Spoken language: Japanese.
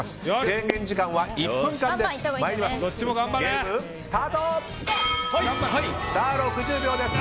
制限時間は１分間です。